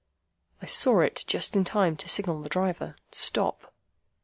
I saw it just in time to signal the driver, Stop!